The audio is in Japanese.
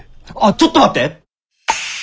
ちょっと待って。